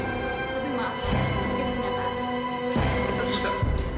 tapi maaf pak